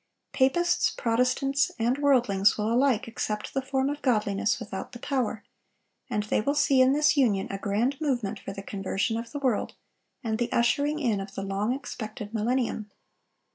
Papists, Protestants, and worldlings will alike accept the form of godliness without the power, and they will see in this union a grand movement for the conversion of the world, and the ushering in of the long expected millennium.